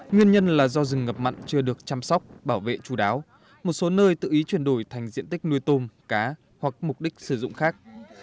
nguyên nhân là do rừng ngập mặn chưa được chăm sóc bảo vệ chú đáo một số nơi tự ý chuyển đổi thành diện tích nuôi tôm cá hoặc mục đích sử dụng khác